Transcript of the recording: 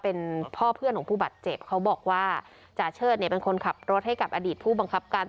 เป็นพ่อเพื่อนของผู้บาดเจ็บเขาบอกว่าจาเชิดเนี่ยเป็นคนขับรถให้กับอดีตผู้บังคับการ